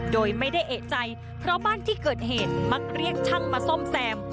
โดยไม่ได้เอกใจเพราะบ้านที่เกิดเหตุมักเรียกช่างมาซ่อมแซม